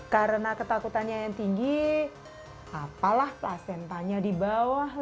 karena ketakutannya yang tinggi apalah placentanya di bawah